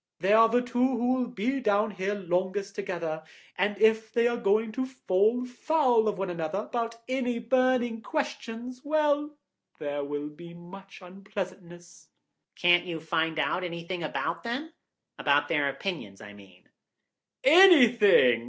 They are the two who will be down here longest together, and if they are going to fall foul of one another about any burning question, well, there will be more unpleasantness." "Can't you find out anything about them? About their opinions, I mean." "Anything?